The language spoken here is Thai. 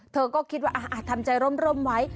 เธอก็คิดว่าทำใจร่มไว้